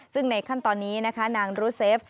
ซึ่งในขั้นตอนนี้นะคะนางรูเซฟ